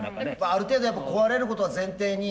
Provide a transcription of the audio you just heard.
ある程度やっぱ壊れることは前提に？